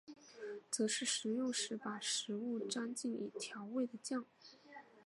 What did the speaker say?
则是食用时把食物蘸进已调味的酱。